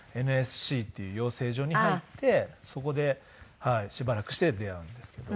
ＮＳＣっていう養成所に入ってそこでしばらくして出会うんですけど。